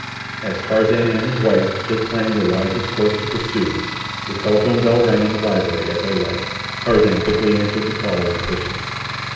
As Tarzan and his wife stood planning the wisest course to pursue, the telephone bell rang in the library at their right. Tarzan quickly answered the call in person.